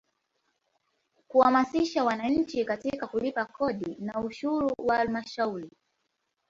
Kuhamasisha wananchi katika kulipa kodi na ushuru wa Halmashauri.